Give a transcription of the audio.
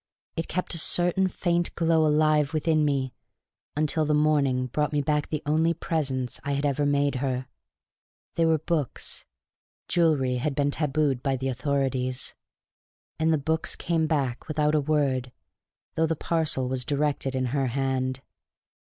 It kept a certain faint glow alive within me until the morning brought me back the only presents I had ever made her. They were books; jewellery had been tabooed by the authorities. And the books came back without a word, though the parcel was directed in her hand.